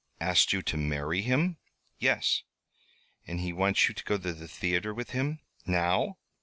"Asked you to marry him?" "Yes." "And he wants you to go to the theatre with him now?"